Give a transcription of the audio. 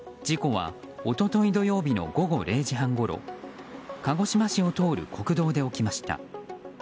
事故は一昨日土曜日の午後０時半ごろ鹿児島市を通る国道で起きました。